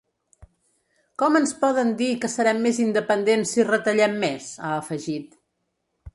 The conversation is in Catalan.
Com ens poden dir que serem més independents si retallem més?, ha afegit.